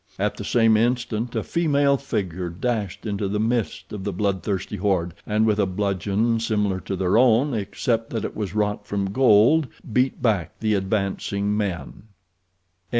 At the same instant a female figure dashed into the midst of the bloodthirsty horde, and, with a bludgeon similar to their own, except that it was wrought from gold, beat back the advancing men.